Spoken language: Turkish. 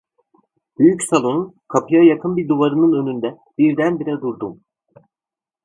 Büyük salonun kapıya yakın bir duvarının önünde birdenbire durdum.